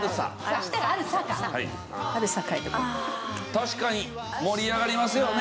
確かに盛り上がりますよね。